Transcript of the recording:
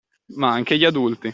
Ma anche gli adulti